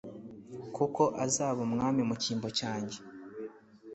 kuko azaba umwami mu cyimbo cyanjye